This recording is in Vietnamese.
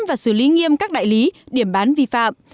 và xử lý nghiêm các đại lý điểm bán vi phạm